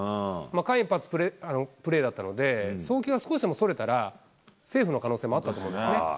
間一髪プレーだったので、送球が少しでもそれたら、セーフの可能性もあったと思いますね。